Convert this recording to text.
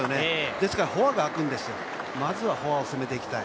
ですからフォアがあくんですよ、まずはフォアを攻めていきたい。